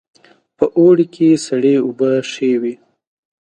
په اوړي کې سړې اوبه ښې وي